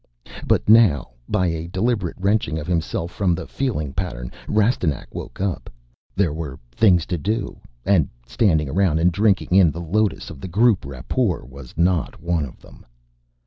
But now, by a deliberate wrenching of himself from the feeling pattern, Rastignac woke up. There were things to do, and standing around and drinking in the lotus of the group rapport was not one of them.